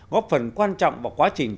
góp phần quan trọng vào quá trình